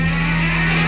kapan kamu keluar